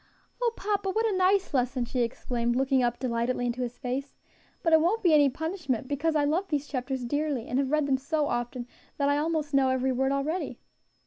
"O papa! what a nice lesson!" she exclaimed, looking up delightedly into his face; "but it won't be any punishment, because I love these chapters dearly, and have read them so often that I almost know every word already."